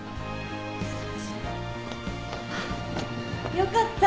よかった